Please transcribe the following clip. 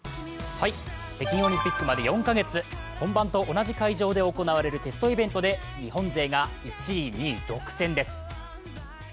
北京オリンピックまで４カ月、本番と同じ会場で行われるテストイベントで日本勢が１位、２位独占です。